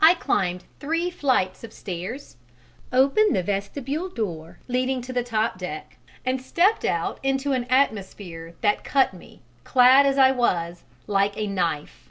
I climbed the three flights of stairs, opened the vestibule door leading to the top deck, and stepped out into an atmosphere that cut me, clad as I was, like a knife.